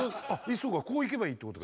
そうかこういけばいいってこと。